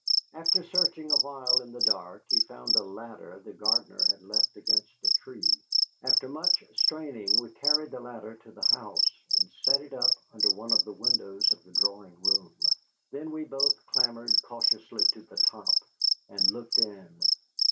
After searching awhile in the dark, he found a ladder the gardener had left against a tree; after much straining, we carried the ladder to the house and set it up under one of the windows of the drawing room. Then we both clambered cautiously to the top and looked in.